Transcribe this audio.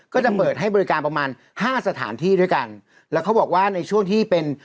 ก็จะเปิดให้บริการประมาณห้าสถานที่ด้วยกันแล้วเขาบอกว่าในช่วงที่เป็น